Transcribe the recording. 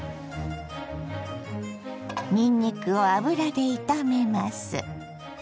にんにくを油で炒めます。